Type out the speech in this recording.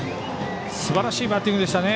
すばらしいバッティングでしたね。